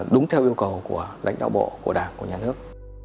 đúng theo yêu cầu của lãnh đạo bộ của đảng của nhà nước